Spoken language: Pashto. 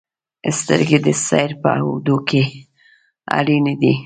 • سترګې د سیر په اوږدو کې اړینې دي.